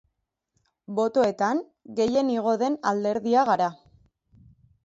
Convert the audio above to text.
Botoetan, gehien igo den alderdia gara.